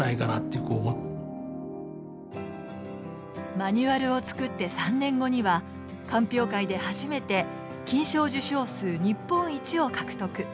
マニュアルを作って３年後には鑑評会で初めて金賞受賞数日本一を獲得。